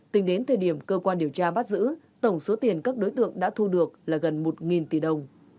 tính đến thời điểm cơ quan điều tra bắt giữ tổng số tiền các đối tượng đã thu được là gần một tỷ đồng